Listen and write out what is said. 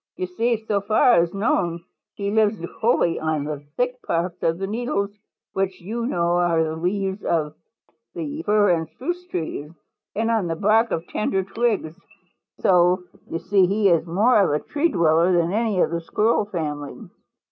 You see, so far as known, he lives wholly on the thick parts of the needles, which you know are the leaves, of fir and spruce trees, and on the bark of tender twigs. So you see he is more of a tree dweller than any of the Squirrel family.